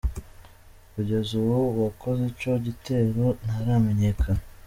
Kugeza ubu uwakoze ico gitero ntaramenyekana.